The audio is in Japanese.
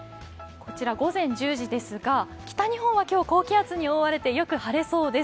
こちら、午前１０時ですが北日本は高気圧に覆われてよく晴れそうです。